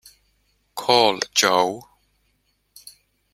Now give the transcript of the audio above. Call Joe.